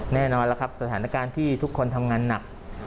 แน่นอนแล้วครับสถานการณ์ที่ทุกคนทำงานหนัก